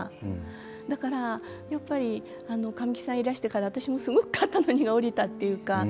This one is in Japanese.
だからやっぱり神木さんいらしてから私もすごく肩の荷が下りたっていうか。